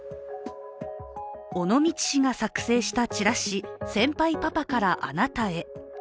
尾道市が作成したチラシ「先輩パパからあなたへ」。